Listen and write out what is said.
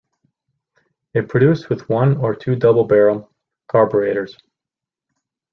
It produced with one or two double-barrel carburettors.